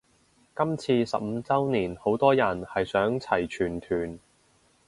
今次十五周年好多人係想齊全團